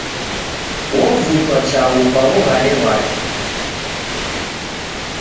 Wovutwa chaghu kwa wughade ghwake